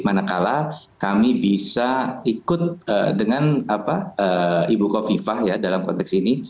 manakala kami bisa ikut dengan ibu kofifah ya dalam konteks ini